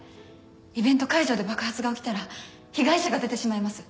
イベント会場で爆発が起きたら被害者が出てしまいます。